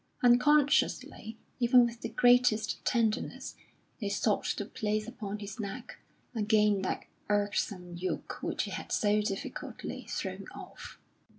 Unconsciously, even with the greatest tenderness, they sought to place upon his neck again that irksome yoke which he had so difficultly thrown off.